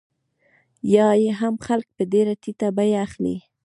یا یې هم خلک په ډېره ټیټه بیه اخلي